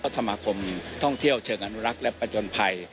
สมาคมท่องเที่ยวเชิงอนุรักษ์และประจนภัย